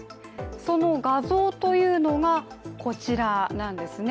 その画像というのがこちらなんですね。